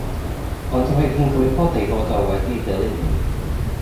Ond roedd hi'n gwybod ei fod e wedi'i dilyn hi.